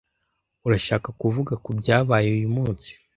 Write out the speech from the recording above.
Urashaka kuvuga kubyabaye uyu munsi?